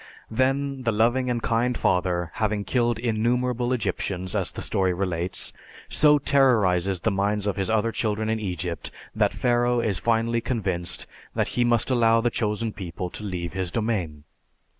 Then the loving and kind Father, having killed innumerable Egyptians, as the story relates, so terrorizes the minds of his other children in Egypt, that Pharaoh is finally convinced that he must allow the Chosen People to leave his domain.